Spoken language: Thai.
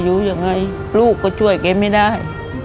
อยู่ยังไงลูกก็ช่วยแกไม่ได้